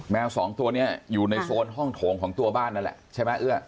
สองตัวนี้อยู่ในโซนห้องโถงของตัวบ้านนั่นแหละใช่ไหมเอื้อ